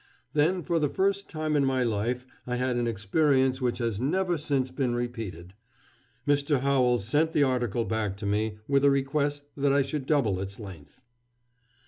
Then for the first time in my life I had an experience which has never since been repeated. Mr. Howells sent the article back to me with a request that I should _double its length.